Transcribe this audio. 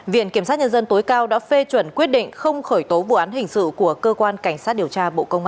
viện kiểm sát nhân dân tối cao đã phê chuẩn quyết định không khởi tố vụ án hình sự của cơ quan cảnh sát điều tra bộ công an